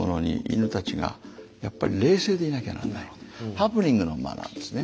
ハプニングのマナーですね。